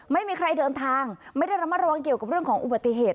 ไม่มีใครเดินทางไม่ได้ระมัดระวังเกี่ยวกับเรื่องของอุบัติเหตุ